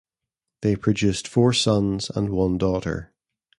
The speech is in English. They produced four sons and one daughter.